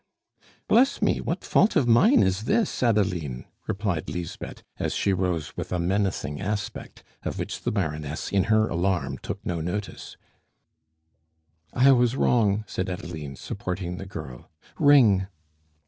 "Bless me! what fault of mine is this, Adeline?" replied Lisbeth, as she rose with a menacing aspect, of which the Baroness, in her alarm, took no notice. "I was wrong," said Adeline, supporting the girl. "Ring."